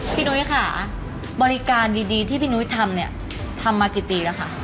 นุ้ยค่ะบริการดีที่พี่นุ้ยทำเนี่ยทำมากี่ปีแล้วค่ะ